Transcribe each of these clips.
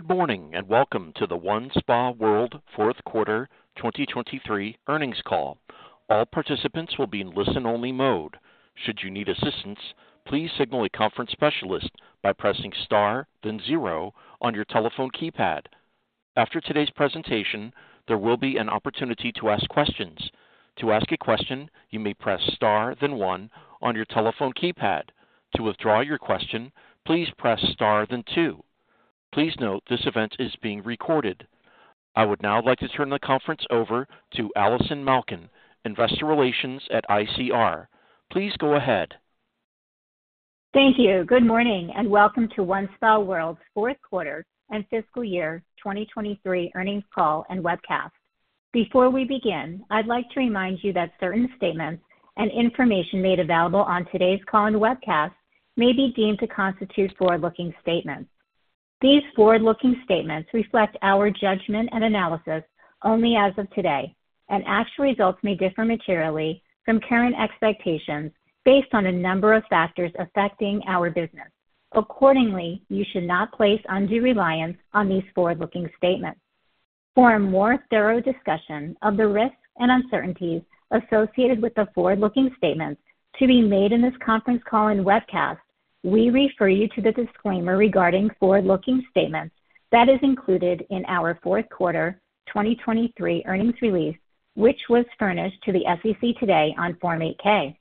Good morning and welcome to the OneSpaWorld fourth quarter 2023 earnings call. All participants will be in listen-only mode. Should you need assistance, please signal a conference specialist by pressing star then zero on your telephone keypad. After today's presentation, there will be an opportunity to ask questions. To ask a question, you may press star then one on your telephone keypad. To withdraw your question, please press star then two. Please note, this event is being recorded. I would now like to turn the conference over to Allison Malkin, Investor Relations at ICR. Please go ahead. Thank you. Good morning and welcome to OneSpaWorld's fourth quarter and fiscal year 2023 earnings call and webcast. Before we begin, I'd like to remind you that certain statements and information made available on today's call and webcast may be deemed to constitute forward-looking statements. These forward-looking statements reflect our judgment and analysis only as of today, and actual results may differ materially from current expectations based on a number of factors affecting our business. Accordingly, you should not place undue reliance on these forward-looking statements. For a more thorough discussion of the risks and uncertainties associated with the forward-looking statements to be made in this conference call and webcast, we refer you to the disclaimer regarding forward-looking statements that is included in our fourth quarter 2023 earnings release, which was furnished to the SEC today on Form 8-K.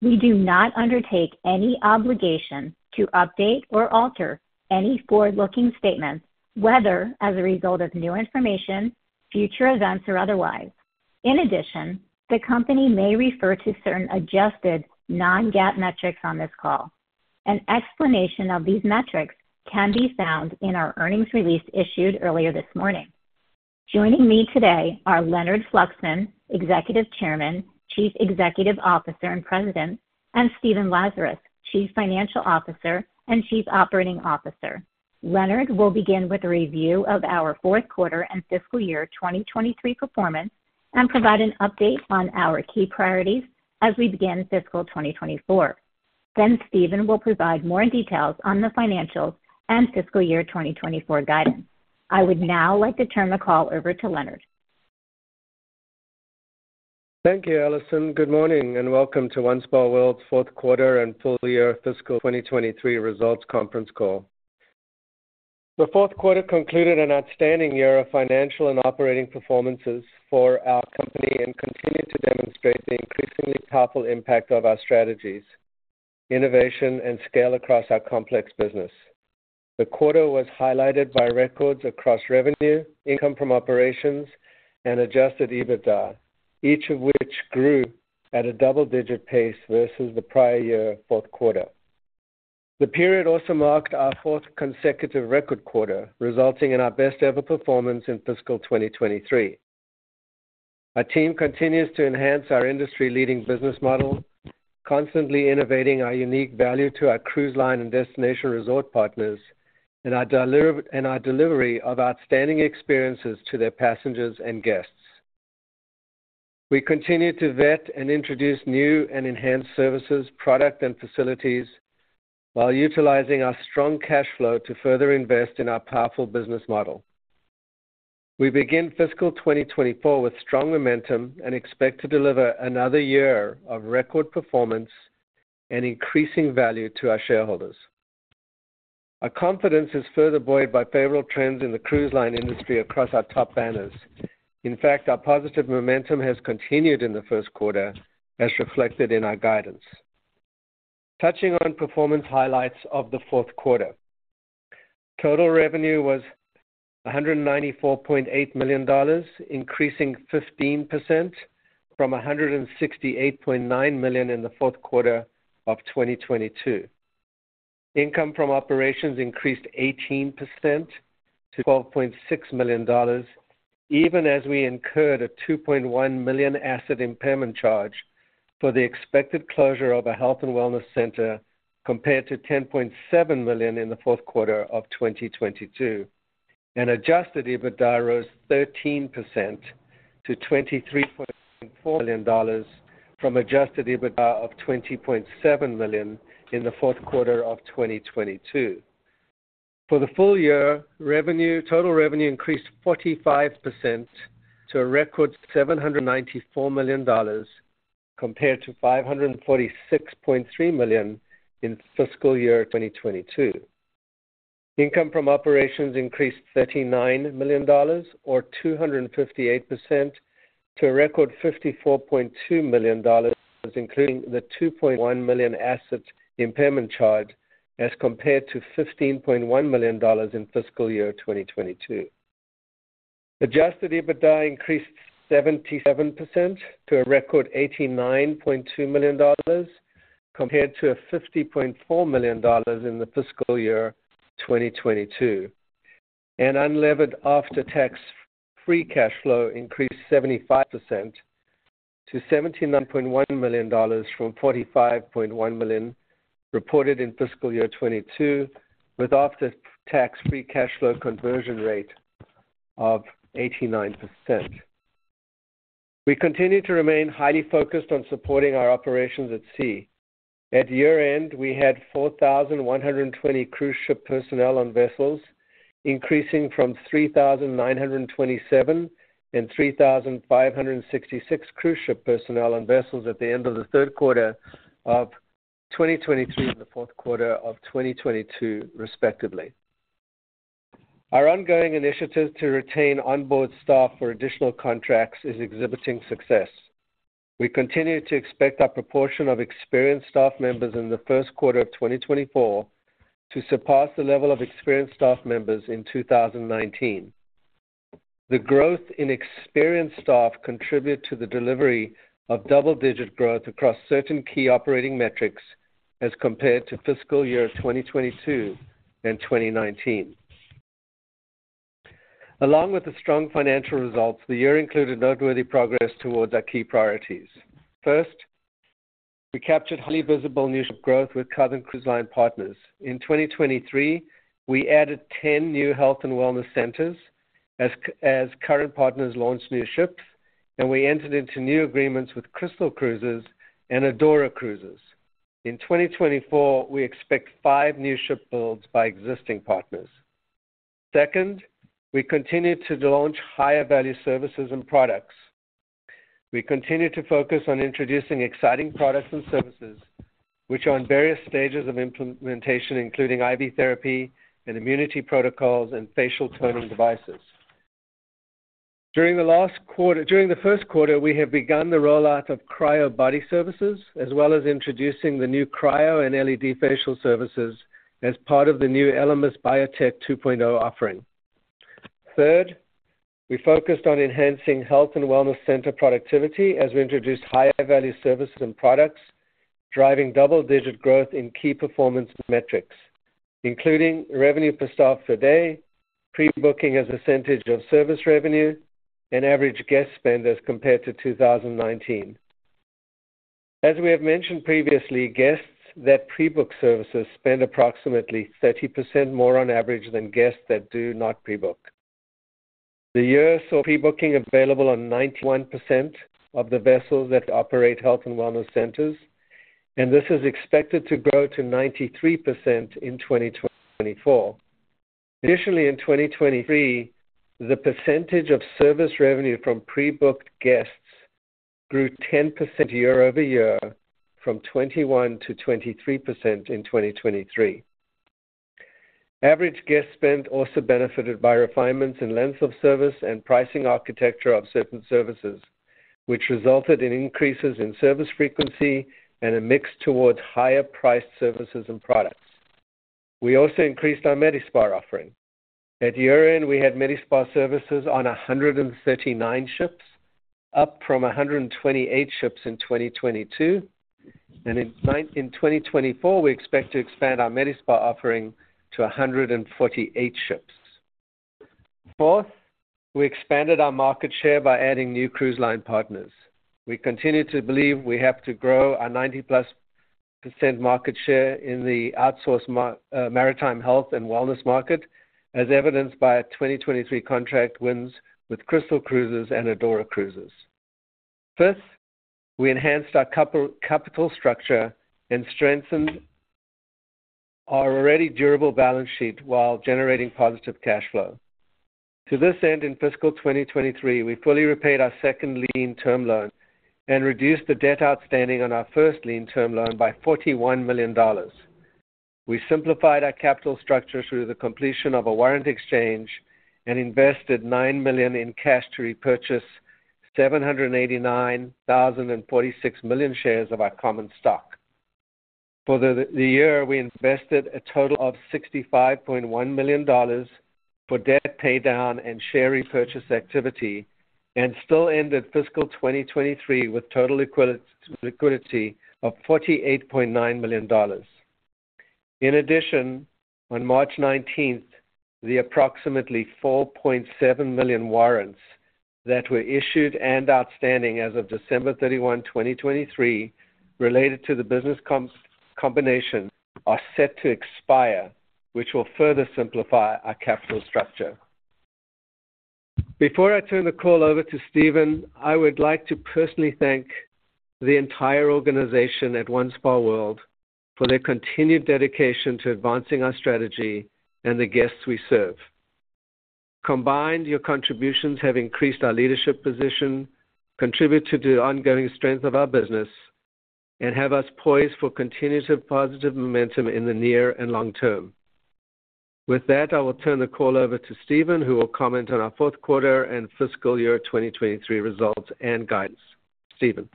We do not undertake any obligation to update or alter any forward-looking statements, whether as a result of new information, future events, or otherwise. In addition, the company may refer to certain adjusted non-GAAP metrics on this call. An explanation of these metrics can be found in our earnings release issued earlier this morning. Joining me today are Leonard Fluxman, Executive Chairman, Chief Executive Officer and President, and Stephen Lazarus, Chief Financial Officer and Chief Operating Officer. Leonard will begin with a review of our fourth quarter and fiscal year 2023 performance and provide an update on our key priorities as we begin fiscal year 2024. Then Stephen will provide more details on the financials and fiscal year 2024 guidance. I would now like to turn the call over to Leonard. Thank you, Allison. Good morning and welcome to OneSpaWorld's fourth quarter and full-year fiscal year 2023 results conference call. The fourth quarter concluded an outstanding year of financial and operating performances for our company and continued to demonstrate the increasingly powerful impact of our strategies, innovation, and scale across our complex business. The quarter was highlighted by records across revenue, income from operations, and Adjusted EBITDA, each of which grew at a double-digit pace versus the prior year fourth quarter. The period also marked our fourth consecutive record quarter, resulting in our best-ever performance in fiscal year 2023. Our team continues to enhance our industry-leading business model, constantly innovating our unique value to our cruise line and destination resort partners, and our delivery of outstanding experiences to their passengers and guests. We continue to vet and introduce new and enhanced services, product, and facilities while utilizing our strong cash flow to further invest in our powerful business model. We begin fiscal year 2024 with strong momentum and expect to deliver another year of record performance and increasing value to our shareholders. Our confidence is further buoyed by favorable trends in the cruise line industry across our top banners. In fact, our positive momentum has continued in the first quarter, as reflected in our guidance. Touching on performance highlights of the fourth quarter, total revenue was $194.8 million, increasing 15% from $168.9 million in the fourth quarter of 2022. Income from operations increased 18% to $12.6 million, even as we incurred a $2.1 million asset impairment charge for the expected closure of a health and wellness center compared to $10.7 million in the fourth quarter of 2022, and Adjusted EBITDA rose 13% to $23.4 million from Adjusted EBITDA of $20.7 million in the fourth quarter of 2022. For the full-year, total revenue increased 45% to a record $794 million compared to $546.3 million in fiscal year 2022. Income from operations increased $39 million or 258% to a record $54.2 million, including the $2.1 million asset impairment charge as compared to $15.1 million in fiscal year 2022. Adjusted EBITDA increased 77% to a record $89.2 million compared to $50.4 million in fiscal year 2022, and unlevered after-tax free cash flow increased 75% to $79.1 million from $45.1 million reported in fiscal year 2022, with after-tax free cash flow conversion rate of 89%. We continue to remain highly focused on supporting our operations at sea. At year-end, we had 4,120 cruise ship personnel on vessels, increasing from 3,927 and 3,566 cruise ship personnel on vessels at the end of the third quarter of 2023 and the fourth quarter of 2022, respectively. Our ongoing initiative to retain onboard staff for additional contracts is exhibiting success. We continue to expect a proportion of experienced staff members in the first quarter of 2024 to surpass the level of experienced staff members in 2019. The growth in experienced staff contributed to the delivery of double-digit growth across certain key operating metrics as compared to fiscal year 2022 and 2019. Along with the strong financial results, the year included noteworthy progress towards our key priorities. First, we captured highly visible new ship growth with Celebrity Cruises partners. In 2023, we added 10 new health and wellness centers as current partners launched new ships, and we entered into new agreements with Crystal Cruises and Adora Cruises. In 2024, we expect five new ship builds by existing partners. Second, we continue to launch higher-value services and products. We continue to focus on introducing exciting products and services, which are in various stages of implementation, including IV therapy and immunity protocols and facial toning devices. During the first quarter, we have begun the rollout of Cryo Body Services, as well as introducing the new Cryo and LED Facial Services as part of the new Elemis BIOTEC 2.0 offering. Third, we focused on enhancing health and wellness center productivity as we introduced higher-value services and products, driving double-digit growth in key performance metrics, including revenue per staff per day, pre-booking as a percentage of service revenue, and average guest spend as compared to 2019. As we have mentioned previously, guests that pre-book services spend approximately 30% more on average than guests that do not pre-book. The year saw pre-booking available on 91% of the vessels that operate health and wellness centers, and this is expected to grow to 93% in 2024. Additionally, in 2023, the percentage of service revenue from pre-booked guests grew 10% year-over-year from 21% to 23% in 2023. Average guest spend also benefited by refinements in length of service and pricing architecture of certain services, which resulted in increases in service frequency and a mix towards higher-priced services and products. We also increased our medi-spa offering. At year-end, we had medi-spa services on 139 ships, up from 128 ships in 2022, and in 2024, we expect to expand our medi-spa offering to 148 ships. Fourth, we expanded our market share by adding new cruise line partners. We continue to believe we have to grow our 90% market share in the outsourced maritime health and wellness market, as evidenced by a 2023 contract wins with Crystal Cruises and Adora Cruises. Fifth, we enhanced our capital structure and strengthened our already durable balance sheet while generating positive cash flow. To this end, in fiscal year 2023, we fully repaid our Second Lien Term Loan and reduced the debt outstanding on our First Lien Term Loan by $41 million. We simplified our capital structure through the completion of a Warrant Exchange and invested $9 million in cash to repurchase 789,046 shares of our common stock. For the year, we invested a total of $65.1 million for debt paydown and share repurchase activity and still ended fiscal year 2023 with total liquidity of $48.9 million. In addition, on March 19th, the approximately $4.7 million warrants that were issued and outstanding as of December 31, 2023, related to the business combination, are set to expire, which will further simplify our capital structure. Before I turn the call over to Stephen, I would like to personally thank the entire organization at OneSpaWorld for their continued dedication to advancing our strategy and the guests we serve. Combined, your contributions have increased our leadership position, contributed to the ongoing strength of our business, and have us poised for continued positive momentum in the near and long term. With that, I will turn the call over to Stephen, who will comment on our fourth quarter and fiscal year 2023 results and guidance. Stephen.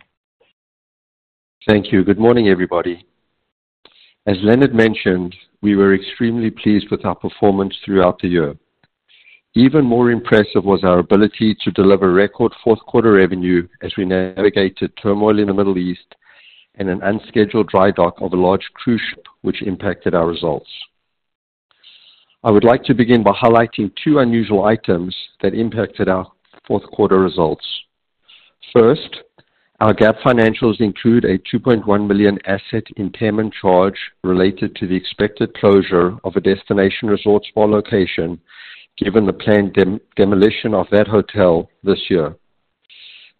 Thank you. Good morning, everybody. As Leonard mentioned, we were extremely pleased with our performance throughout the year. Even more impressive was our ability to deliver record fourth quarter revenue as we navigated turmoil in the Middle East and dry dock of a large cruise ship, which impacted our results. I would like to begin by highlighting two unusual items that impacted our fourth quarter results. First, our GAAP financials include a $2.1 million asset impairment charge related to the expected closure of a destination resort spa location given the planned demolition of that hotel this year.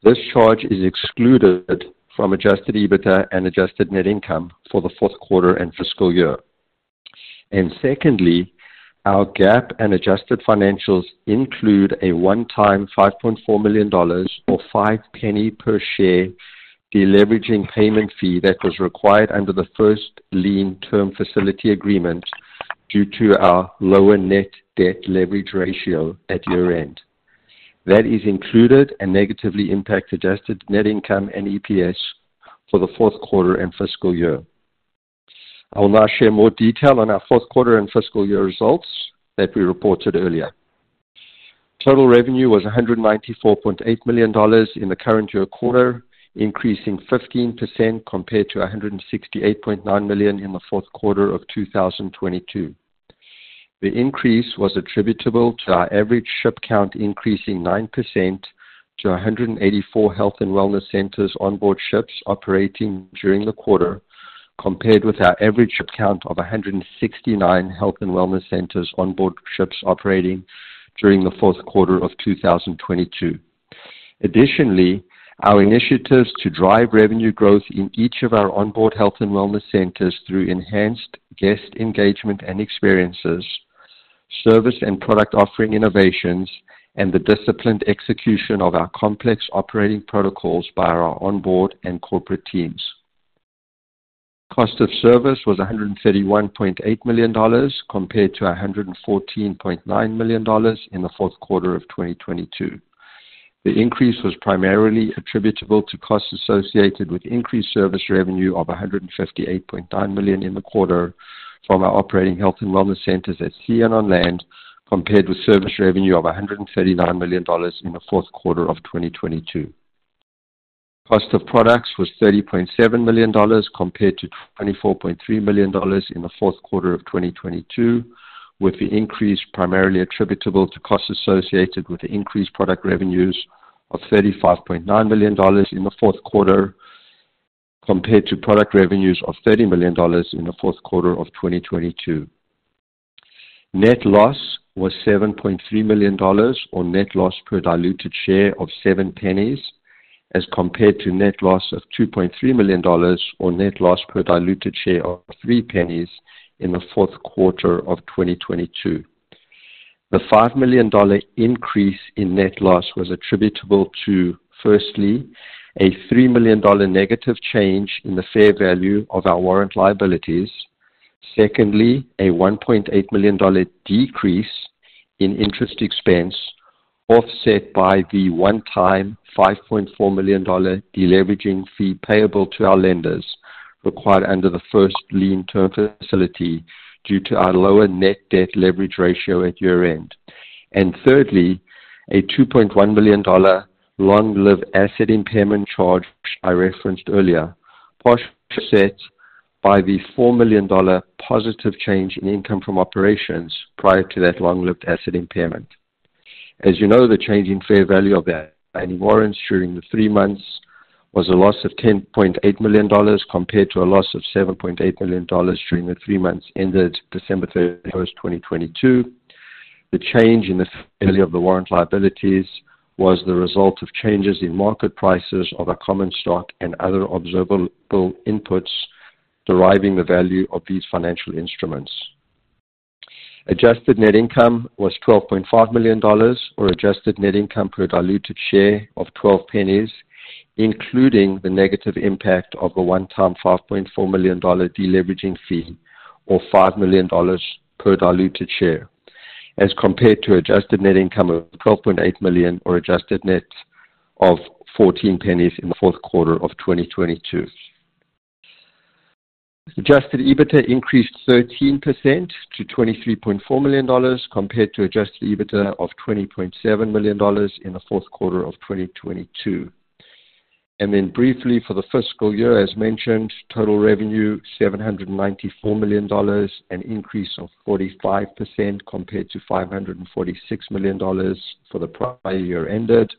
This charge is excluded from Adjusted EBITDA and adjusted net income for the fourth quarter and fiscal year. Secondly, our GAAP and adjusted financials include a one-time $5.4 million or $0.05 per share deleveraging payment fee that was required under the First Lien Term Facility agreement due to our lower net debt leverage ratio at year-end. That is included and negatively impacts adjusted net income and EPS for the fourth quarter and fiscal year. I will now share more detail on our fourth quarter and fiscal year results that we reported earlier. Total revenue was $194.8 million in the current year quarter, increasing 15% compared to $168.9 million in the fourth quarter of 2022. The increase was attributable to our average ship count increasing 9% to 184 health and wellness centers onboard ships operating during the quarter compared with our average ship count of 169 health and wellness centers onboard ships operating during the fourth quarter of 2022. Additionally, our initiatives to drive revenue growth in each of our onboard health and wellness centers through enhanced guest engagement and experiences, service and product offering innovations, and the disciplined execution of our complex operating protocols by our onboard and corporate teams. Cost of service was $131.8 million compared to $114.9 million in the fourth quarter of 2022. The increase was primarily attributable to costs associated with increased service revenue of $158.9 million in the quarter from our operating health and wellness centers at sea and on land compared with service revenue of $139 million in the fourth quarter of 2022. Cost of products was $30.7 million compared to $24.3 million in the fourth quarter of 2022, with the increase primarily attributable to costs associated with increased product revenues of $35.9 million in the fourth quarter compared to product revenues of $30 million in the fourth quarter of 2022. Net loss was $7.3 million or net loss per diluted share of $0.07 as compared to net loss of $2.3 million or net loss per diluted share of $0.03 in the fourth quarter of 2022. The $5 million increase in net loss was attributable to, firstly, a $3 million negative change in the fair value of our warrant liabilities. Secondly, a $1.8 million decrease in interest expense offset by the one-time $5.4 million deleveraging fee payable to our lenders required under the First Lien Term Facility due to our lower net debt leverage ratio at year-end. And thirdly, a $2.1 million long-lived asset impairment charge I referenced earlier, partially offset by the $4 million positive change in income from operations prior to that long-lived asset impairment. As you know, the change in fair value of the earnout warrants during the three months was a loss of $10.8 million compared to a loss of $7.8 million during the three months ended December 31st, 2022. The change in the fair value of the warrant liabilities was the result of changes in market prices of our common stock and other observable inputs deriving the value of these financial instruments. Adjusted net income was $12.5 million or adjusted net income per diluted share of $0.12, including the negative impact of the one-time $5.4 million deleveraging fee or $5 million per diluted share as compared to adjusted net income of $12.8 million or adjusted net of $0.14 in the fourth quarter of 2022. Adjusted EBITDA increased 13% to $23.4 million compared to Adjusted EBITDA of $20.7 million in the fourth quarter of 2022. Then briefly, for the fiscal year, as mentioned, total revenue $794 million, an increase of 45% compared to $546 million for the prior year ended.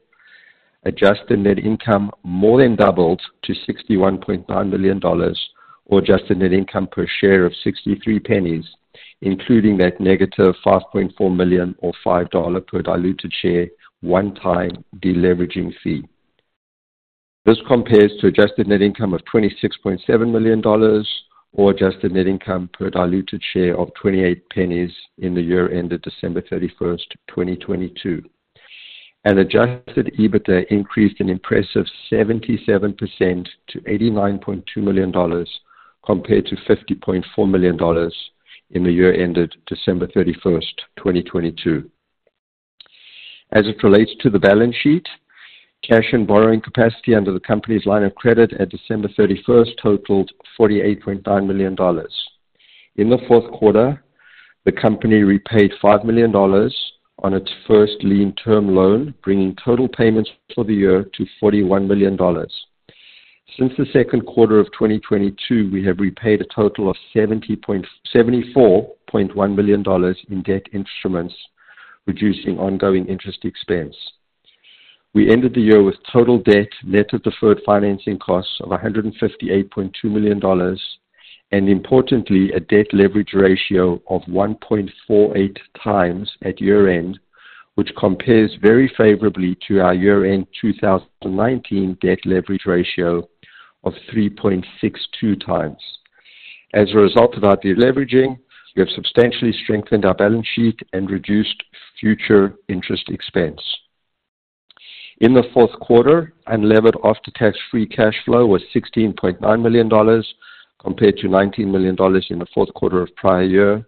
Adjusted net income more than doubled to $61.9 million or adjusted net income per share of $0.63, including that negative $5.4 million or $0.05 per diluted share one-time deleveraging fee. This compares to adjusted net income of $26.7 million or adjusted net income per diluted share of $0.28 in the year ended December 31st, 2022. Adjusted EBITDA increased an impressive 77% to $89.2 million compared to $50.4 million in the year ended December 31st, 2022. As it relates to the balance sheet, cash and borrowing capacity under the company's line of credit at December 31st totaled $48.9 million. In the fourth quarter, the company repaid $5 million on its First Lien Term Loan, bringing total payments for the year to $41 million. Since the second quarter of 2022, we have repaid a total of $74.1 million in debt instruments, reducing ongoing interest expense. We ended the year with total debt net of deferred financing costs of $158.2 million and, importantly, a debt leverage ratio of 1.48x at year-end, which compares very favorably to our year-end 2019 debt leverage ratio of 3.62x. As a result of our deleveraging, we have substantially strengthened our balance sheet and reduced future interest expense. In the fourth quarter, unlevered after-tax free cash flow was $16.9 million compared to $19 million in the fourth quarter of prior year.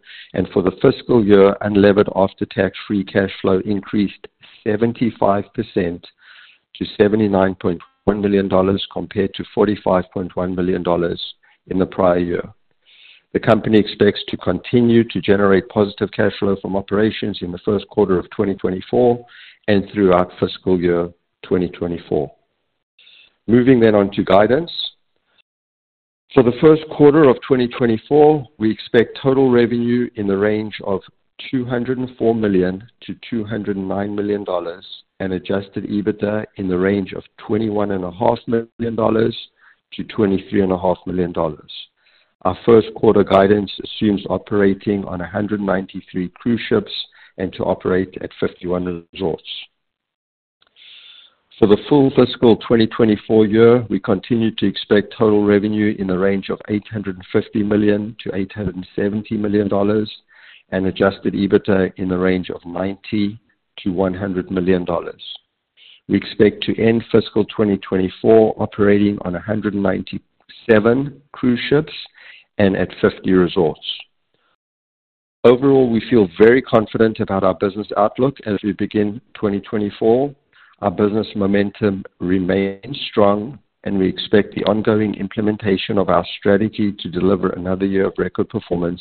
For the fiscal year, unlevered after-tax free cash flow increased 75% to $79.1 million compared to $45.1 million in the prior year. The company expects to continue to generate positive cash flow from operations in the first quarter of 2024 and throughout fiscal year 2024. Moving then on to guidance. For the first quarter of 2024, we expect total revenue in the range of $204 million-$209 million and Adjusted EBITDA in the range of $21.5 million-$23.5 million. Our first quarter guidance assumes operating on 193 cruise ships and to operate at 51 resorts. For the full fiscal year 2024 year, we continue to expect total revenue in the range of $850 million-$870 million and Adjusted EBITDA in the range of $90 million-$100 million. We expect to end fiscal year 2024 operating on 197 cruise ships and at 50 resorts. Overall, we feel very confident about our business outlook as we begin 2024. Our business momentum remains strong, and we expect the ongoing implementation of our strategy to deliver another year of record performance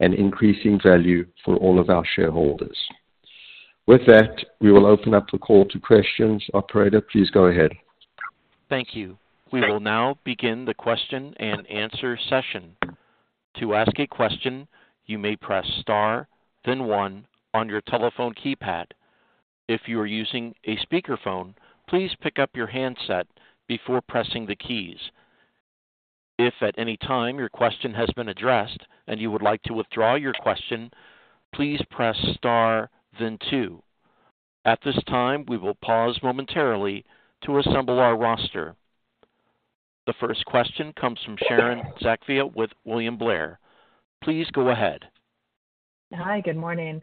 and increasing value for all of our shareholders. With that, we will open up the call to questions. Operator, please go ahead. Thank you. We will now begin the question and answer session. To ask a question, you may press star, then one, on your telephone keypad. If you are using a speakerphone, please pick up your handset before pressing the keys. If at any time your question has been addressed and you would like to withdraw your question, please press star, then two. At this time, we will pause momentarily to assemble our roster. The first question comes from Sharon Zackfia with William Blair. Please go ahead. Hi. Good morning.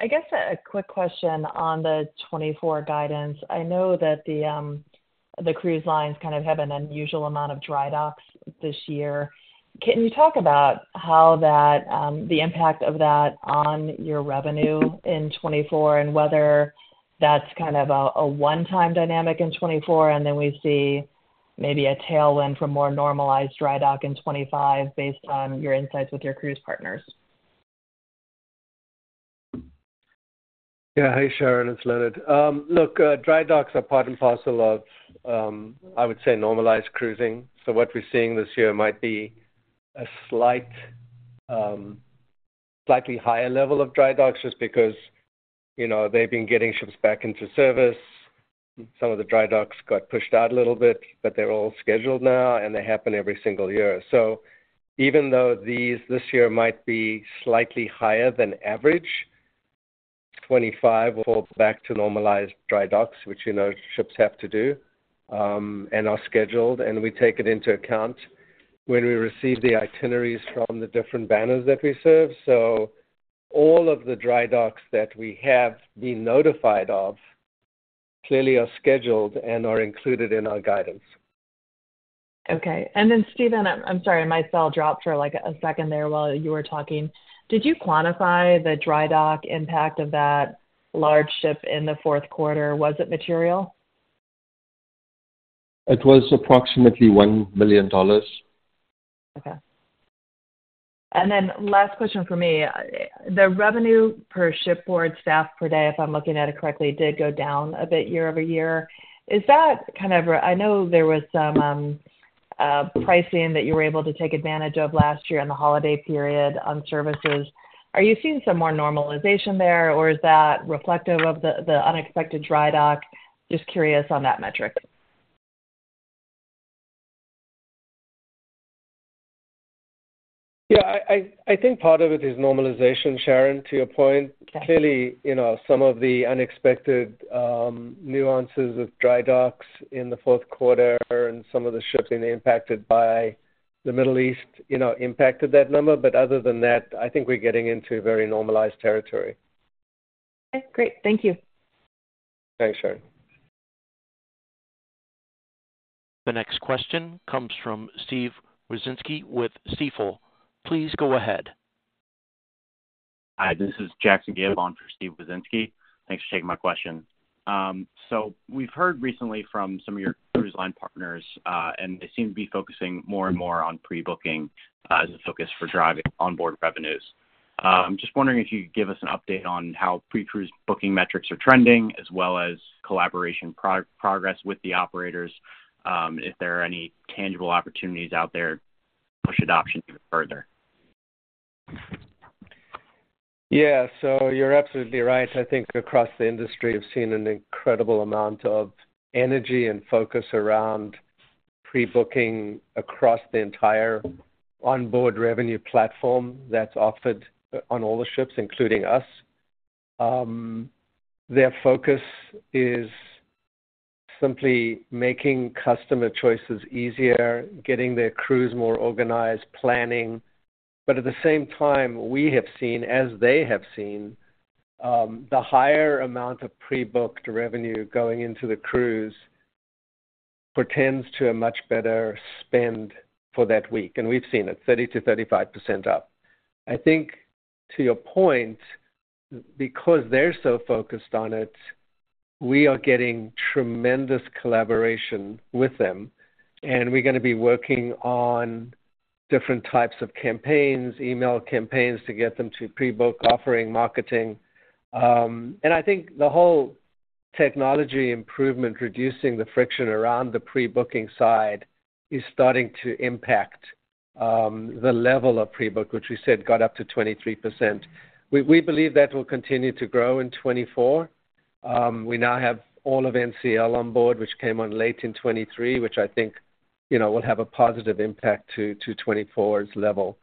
I guess a quick question on the 2024 guidance. I know that the cruise lines kind of have an unusual amount dry docks this year. Can you talk about the impact of that on your revenue in 2024 and whether that's kind of a one-time dynamic in 2024 and then we see maybe a tailwind from more dry dock in 2025 based on your insights with your cruise partners? Yeah. Hi, Sharon. It's Leonard. dry docks are part and parcel of, I would say, normalized cruising. So what we're seeing this year might be a slightly higher level dry docks just because they've been getting ships back into service. Some of dry docks got pushed out a little bit, but they're all scheduled now, and they happen every single year. So even though this year might be slightly higher than average, 2025 will fall back to dry docks, which ships have to do, and are scheduled. We take it into account when we receive the itineraries from the different banners that we serve. So all of dry docks that we have been notified of clearly are scheduled and are included in our guidance. Okay. And then, Stephen, I'm sorry, my cell dropped for a second there while you were talking. Did you quantify dry dock impact of that large ship in the fourth quarter? Was it material? It was approximately $1 million. Okay. And then last question for me. The revenue per shipboard staff per day, if I'm looking at it correctly, did go down a bit year-over-year. Is that kind of a, I know there was some pricing that you were able to take advantage of last year in the holiday period on services. Are you seeing some more normalization there, or is that reflective of the dry dock? just curious on that metric. Yeah. I think part of it is normalization, Sharon, to your point. Clearly, some of the unexpected nuances dry docks in the fourth quarter and some of the ships being impacted by the Middle East impacted that number. Other than that, I think we're getting into very normalized territory. Okay. Great. Thank you. Thanks, Sharon. The next question comes from Steve Wieczynski with Stifel. Please go ahead. Hi. This is Jackson Gibb on for Steve Wieczynski. Thanks for taking my question. So we've heard recently from some of your cruise line partners, and they seem to be focusing more and more on pre-booking as a focus for onboard revenues. I'm just wondering if you could give us an update on how pre-cruise booking metrics are trending as well as collaboration progress with the operators, if there are any tangible opportunities out there to push adoption even further. Yeah. So you're absolutely right. I think across the industry, we've seen an incredible amount of energy and focus around pre-booking across the entire onboard revenue platform that's offered on all the ships, including us. Their focus is simply making customer choices easier, getting their cruise more organized, planning. But at the same time, we have seen, as they have seen, the higher amount of pre-booked revenue going into the cruise portends to a much better spend for that week. And we've seen it, 30%-35% up. I think, to your point, because they're so focused on it, we are getting tremendous collaboration with them. And we're going to be working on different types of campaigns, email campaigns to get them to pre-book, offering, marketing. I think the whole technology improvement, reducing the friction around the pre-booking side, is starting to impact the level of pre-book, which we said got up to 23%. We believe that will continue to grow in 2024. We now have all of NCL on board, which came on late in 2023, which I think will have a positive impact to 2024's level.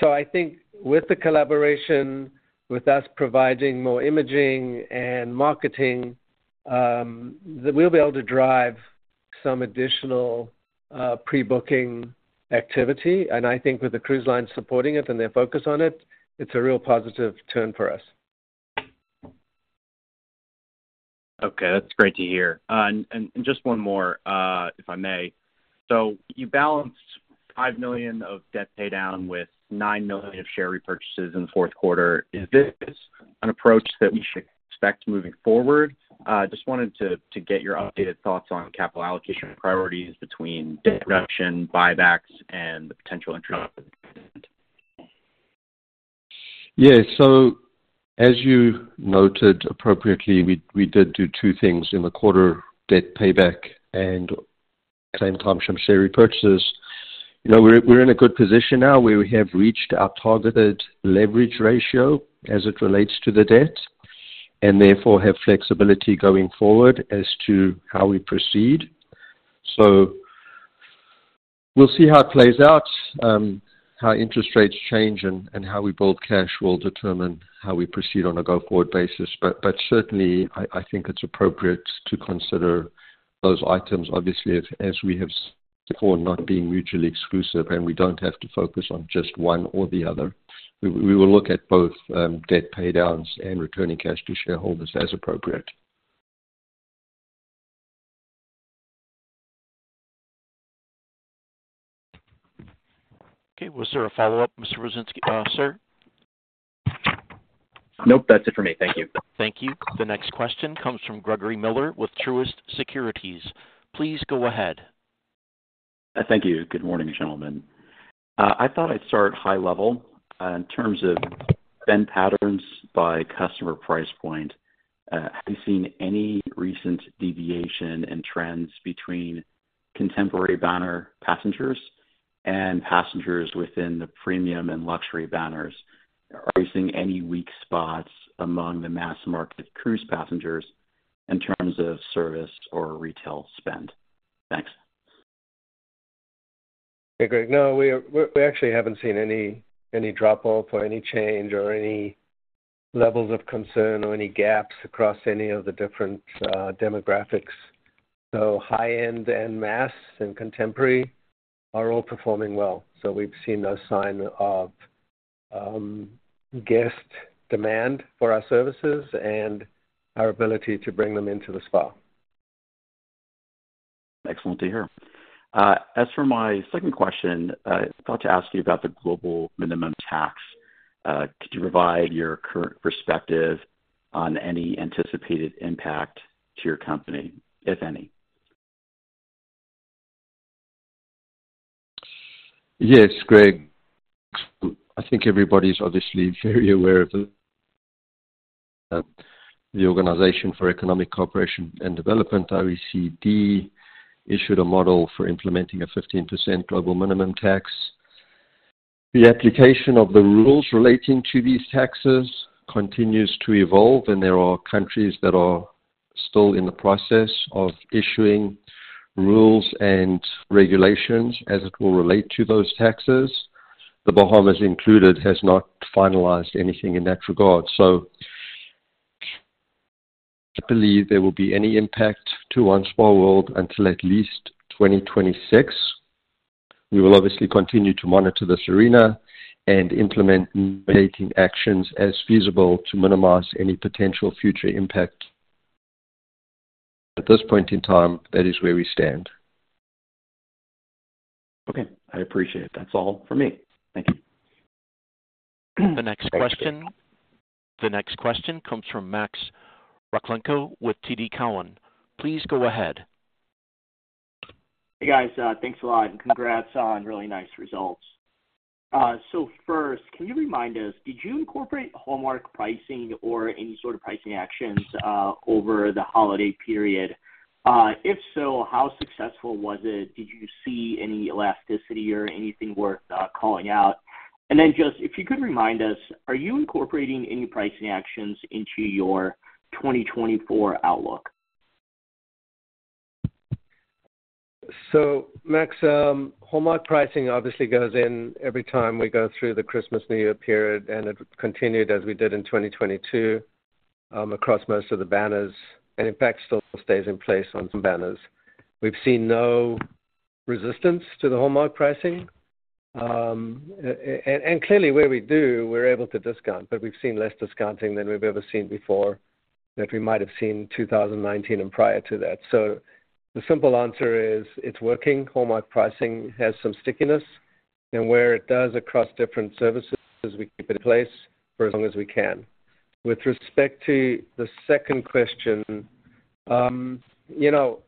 So I think with the collaboration, with us providing more imaging and marketing, we'll be able to drive some additional pre-booking activity. And I think with the cruise lines supporting it and their focus on it, it's a real positive turn for us. Okay. That's great to hear. Just one more, if I may. So you balanced $5 million of debt paydown with $9 million of share repurchases in the fourth quarter. Is this an approach that we should expect moving forward? Just wanted to get your updated thoughts on capital allocation priorities between debt reduction, buybacks, and the potential interest on the dividend. Yeah. So as you noted appropriately, we did do two things in the quarter: debt payback and, at the same time, some share repurchases. We're in a good position now where we have reached our targeted leverage ratio as it relates to the debt and therefore have flexibility going forward as to how we proceed. So we'll see how it plays out, how interest rates change, and how we build cash will determine how we proceed on a go-forward basis. But certainly, I think it's appropriate to consider those items, obviously, as we have said before, not being mutually exclusive, and we don't have to focus on just one or the other. We will look at both debt paydowns and returning cash to shareholders as appropriate. Okay. Was there a follow-up, Mr. Wieczynski? Sir? Nope. That's it for me. Thank you. Thank you. The next question comes from Gregory Miller with Truist Securities. Please go ahead. Thank you. Good morning, gentlemen. I thought I'd start high-level. In terms of spend patterns by customer price point, have you seen any recent deviation and trends between contemporary banner passengers and passengers within the premium and luxury banners? Are you seeing any weak spots among the mass-market cruise passengers in terms of service or retail spend? Thanks. Okay. Great. No, we actually haven't seen any drop-off or any change or any levels of concern or any gaps across any of the different demographics. So high-end and mass and contemporary are all performing well. So we've seen no sign of guest demand for our services and our ability to bring them into the spa. Excellent to hear. As for my second question, I thought to ask you about the global minimum tax. Could you provide your current perspective on any anticipated impact to your company, if any? Yes, Greg. I think everybody's obviously very aware of the Organization for Economic Cooperation and Development, OECD, issued a model for implementing a 15% global minimum tax. The application of the rules relating to these taxes continues to evolve, and there are countries that are still in the process of issuing rules and regulations as it will relate to those taxes. The Bahamas included has not finalized anything in that regard. So I don't believe there will be any impact to OneSpaWorld until at least 2026. We will obviously continue to monitor this arena and implement mitigating actions as feasible to minimize any potential future impact. At this point in time, that is where we stand. Okay. I appreciate it. That's all from me. Thank you. The next question comes from Max Rakhlenko with TD Cowen. Please go ahead. Hey, guys. Thanks a lot and congrats on really nice results. So first, can you remind us, did you incorporate Hallmark pricing or any sort of pricing actions over the holiday period? If so, how successful was it? Did you see any elasticity or anything worth calling out? And then just if you could remind us, are you incorporating any pricing actions into your 2024 outlook? So Max, Hallmark pricing obviously goes in every time we go through the Christmas/New Year period, and it continued as we did in 2022 across most of the banners and, in fact, still stays in place on some banners. We've seen no resistance to the Hallmark pricing. And clearly, where we do, we're able to discount, but we've seen less discounting than we've ever seen before that we might have seen in 2019 and prior to that. So the simple answer is it's working. Hallmark pricing has some stickiness. And where it does across different services, we keep it in place for as long as we can. With respect to the second question, can you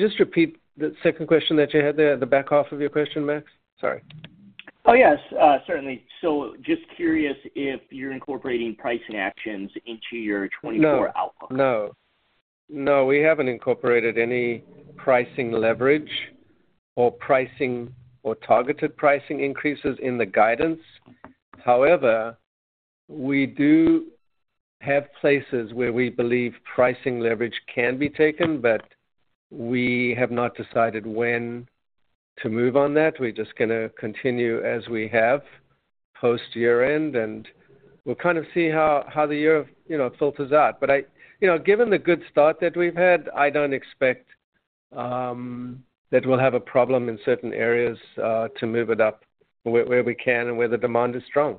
just repeat the second question that you had there, the back half of your question, Max? Sorry. Oh, yes. Certainly. So just curious if you're incorporating pricing actions into your 2024 outlook? No. No. No. We haven't incorporated any pricing leverage or targeted pricing increases in the guidance. However, we do have places where we believe pricing leverage can be taken, but we have not decided when to move on that. We're just going to continue as we have post-year-end, and we'll kind of see how the year filters out. But given the good start that we've had, I don't expect that we'll have a problem in certain areas to move it up where we can and where the demand is strong.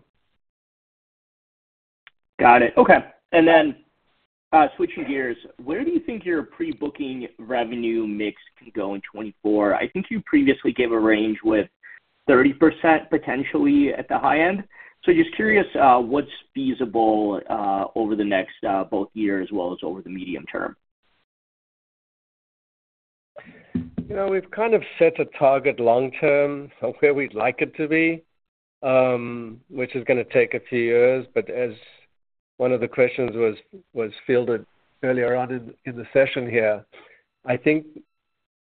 Got it. Okay. And then switching gears, where do you think your pre-booking revenue mix can go in 2024? I think you previously gave a range with 30% potentially at the high end. So just curious what's feasible over the next both year as well as over the medium term. We've kind of set a target long-term of where we'd like it to be, which is going to take a few years. But as one of the questions was fielded earlier on in the session here, I think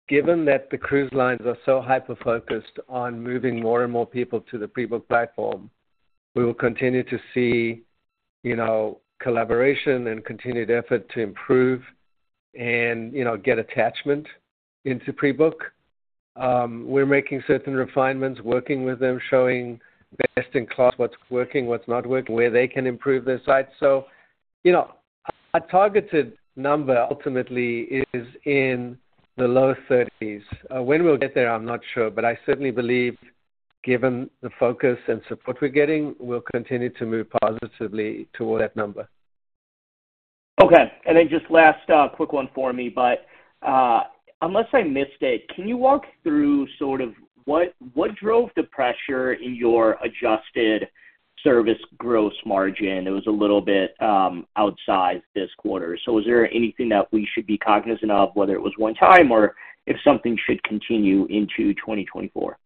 given that the cruise lines are so hyper-focused on moving more and more people to the pre-book platform, we will continue to see collaboration and continued effort to improve and get attachment into pre-book. We're making certain refinements, working with them, showing best-in-class what's working, what's not working, where they can improve their site. So our targeted number ultimately is in the low 30s. When we'll get there, I'm not sure. But I certainly believe, given the focus and support we're getting, we'll continue to move positively toward that number. Okay. Then just last quick one for me. Unless I misstate, can you walk through sort of what drove the pressure in your adjusted service gross margin? It was a little bit outsized this quarter. So is there anything that we should be cognizant of, whether it was one-time or if something should continue into 2024?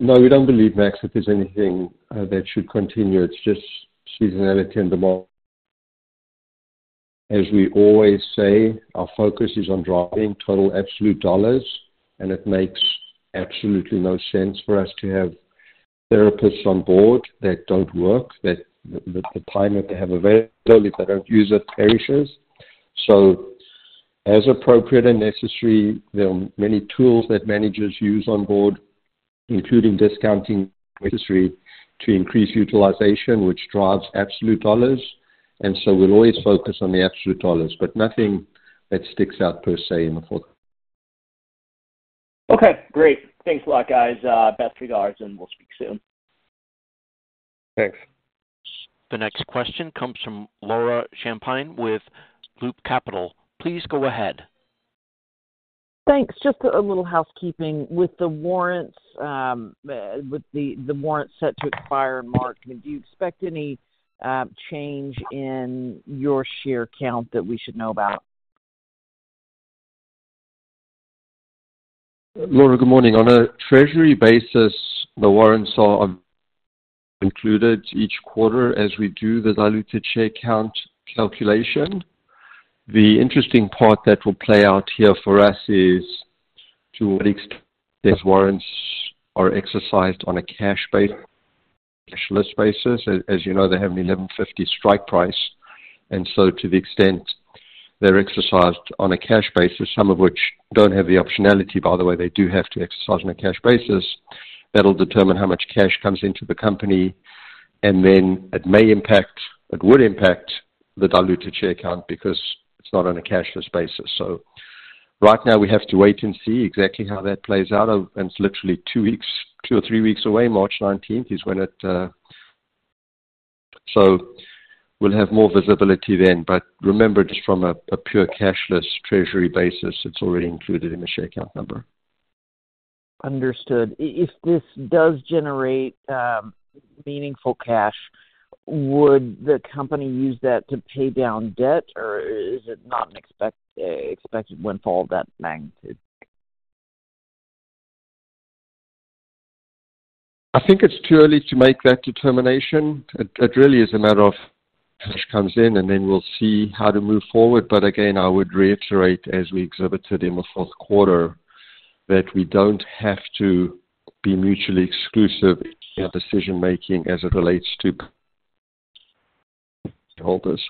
No, we don't believe, Max, that there's anything that should continue. It's just seasonality and demand. As we always say, our focus is on driving total absolute dollars, and it makes absolutely no sense for us to have therapists on board that don't work, that the time that they have available, if they don't use it, perishes. So as appropriate and necessary, there are many tools that managers use on board, including discounting. Necessary to increase utilization, which drives absolute dollars. So we'll always focus on the absolute dollars, but nothing that sticks out per se in the fourth quarter. Okay. Great. Thanks a lot, guys. Best regards, and we'll speak soon. Thanks. The next question comes from Laura Champine with Loop Capital. Please go ahead. Thanks. Just a little housekeeping. With the warrants set to expire in March, do you expect any change in your share count that we should know about? Laura, good morning. On a treasury basis, the warrants are included each quarter as we do the diluted share count calculation. The interesting part that will play out here for us is to what extent those warrants are exercised on a cashless basis. As you know, they have a $11.50 strike price. And so to the extent they're exercised on a cash basis, some of which don't have the optionality, by the way, they do have to exercise on a cash basis, that'll determine how much cash comes into the company. And then it would impact the diluted share count because it's not on a cashless basis. So right now, we have to wait and see exactly how that plays out. And it's literally two or three weeks away, March 19th is when it so we'll have more visibility then. But remember, just from a pure cashless treasury basis, it's already included in the share count number. Understood. If this does generate meaningful cash, would the company use that to pay down debt, or is it not an expected windfall of that magnitude? I think it's too early to make that determination. It really is a matter of cash comes in, and then we'll see how to move forward. But again, I would reiterate, as we exhibited in the fourth quarter, that we don't have to be mutually exclusive in our decision-making as it relates to shareholders.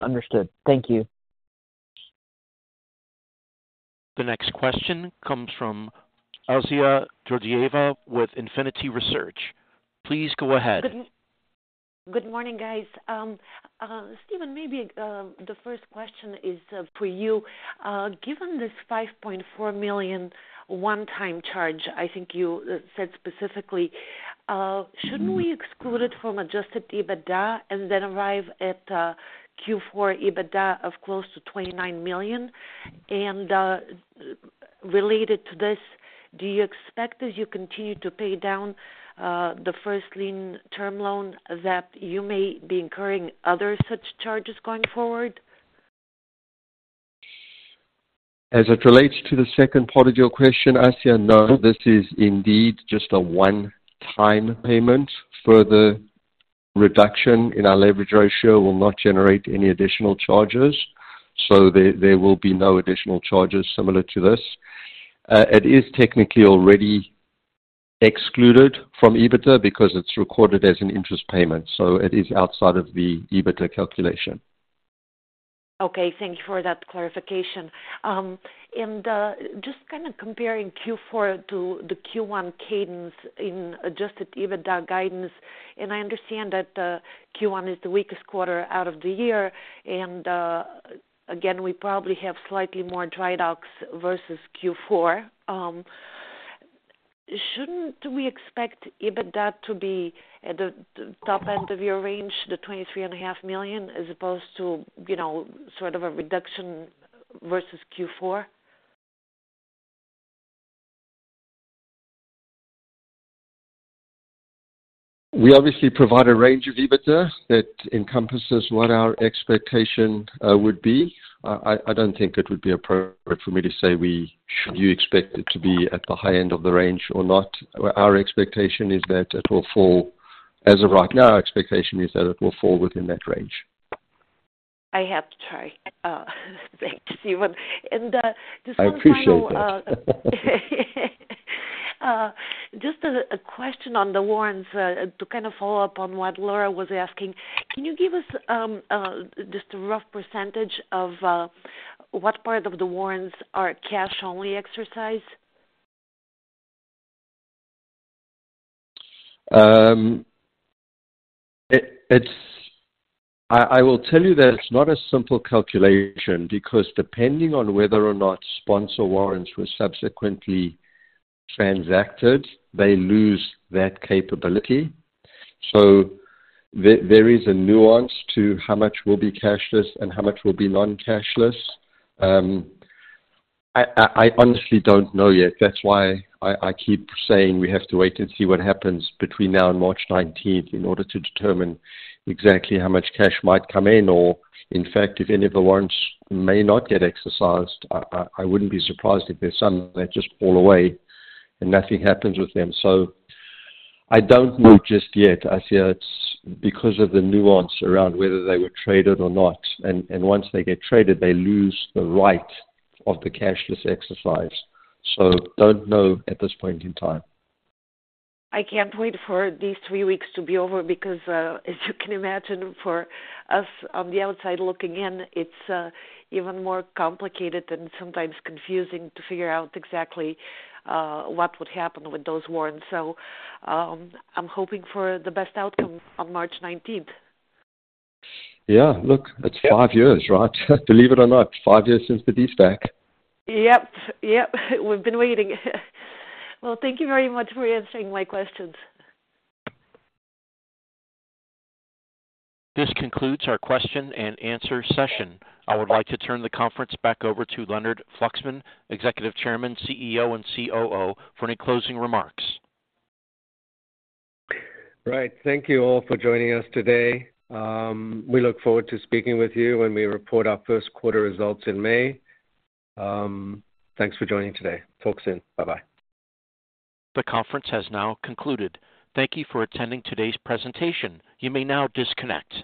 Understood. Thank you. The next question comes from Assia Georgieva with Infinity Research. Please go ahead. Good morning, guys. Stephen, maybe the first question is for you. Given this $5.4 million one-time charge, I think you said specifically, shouldn't we exclude it from Adjusted EBITDA and then arrive at Q4 EBITDA of close to $29 million? And related to this, do you expect, as you continue to pay down the First Lien Term Loan, that you may be incurring other such charges going forward? As it relates to the second part of your question, Assia, no. This is indeed just a one-time payment. Further reduction in our leverage ratio will not generate any additional charges. So there will be no additional charges similar to this. It is technically already excluded from EBITDA because it's recorded as an interest payment. So it is outside of the EBITDA calculation. Okay. Thank you for that clarification. Just kind of comparing Q4 to the Q1 cadence in Adjusted EBITDA guidance, and I understand that Q1 is the weakest quarter out of the year. Again, we probably have slightly more dry docks versus Q4. Shouldn't we expect EBITDA to be at the top end of your range, the $23.5 million, as opposed to sort of a reduction versus Q4? We obviously provide a range of EBITDA that encompasses what our expectation would be. I don't think it would be appropriate for me to say should you expect it to be at the high end of the range or not. Our expectation is that it will fall as of right now, our expectation is that it will fall within that range. I have to try. Thanks, Stephen. Just one more question. I appreciate that. Just a question on the warrants to kind of follow-up on what Laura was asking. Can you give us just a rough percentage of what part of the warrants are cash-only exercised? I will tell you that it's not a simple calculation because depending on whether or not sponsor warrants were subsequently transacted, they lose that capability. So there is a nuance to how much will be cashless and how much will be non-cashless. I honestly don't know yet. That's why I keep saying we have to wait and see what happens between now and March 19th in order to determine exactly how much cash might come in or, in fact, if any of the warrants may not get exercised. I wouldn't be surprised if there's some that just fall away and nothing happens with them. So I don't know just yet, Assia, because of the nuance around whether they were traded or not. Once they get traded, they lose the right of the cashless exercise. So don't know at this point in time. I can't wait for these three weeks to be over because, as you can imagine, for us on the outside looking in, it's even more complicated and sometimes confusing to figure out exactly what would happen with those warrants. So I'm hoping for the best outcome on March 19th. Yeah. Look, it's five years, right? Believe it or not, five years since the de-SPAC. Yep. Yep. We've been waiting. Well, thank you very much for answering my questions. This concludes our question and answer session. I would like to turn the conference back over to Leonard Fluxman, Executive Chairman, CEO, and President, for any closing remarks. Right. Thank you all for joining us today. We look forward to speaking with you when we report our first quarter results in May. Thanks for joining today. Talk soon. Bye-bye. The conference has now concluded. Thank you for attending today's presentation. You may now disconnect.